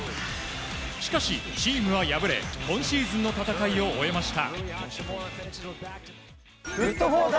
しかし、チームは敗れ今シーズンの戦いを終えました。